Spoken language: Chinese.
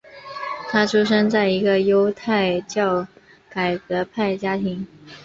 他出生在一个犹太教改革派家庭。